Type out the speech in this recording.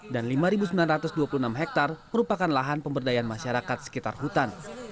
dan lima sembilan ratus dua puluh enam hektare merupakan lahan pemberdayaan masyarakat sekitar hutan